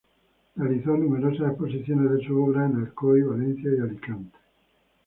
Realizó numerosas exposiciones de su obra en Alcoy, Valencia y Alicante.